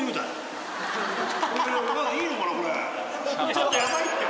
ちょっとやばいって。